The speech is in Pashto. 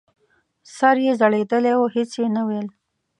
سر یې ځړېدلی و هېڅ یې نه ویل !